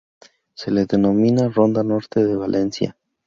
Se le denomina Ronda Norte de Valencia.